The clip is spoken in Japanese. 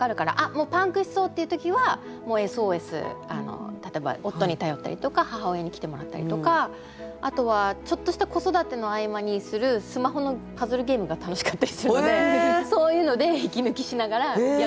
もうパンクしそうっていう時はもうＳＯＳ例えば夫に頼ったりとか母親に来てもらったりとかあとはちょっとした子育ての合間にするスマホのパズルゲームが楽しかったりするのでそういうので息抜きしながらやってます。